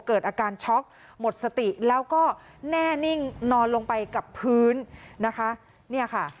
เกิดอาการช็อกหมดสติแล้วก็แน่นิ่งนอนลงไปกับพื้นนะคะเนี่ยค่ะ